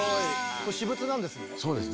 これ私物なんですね。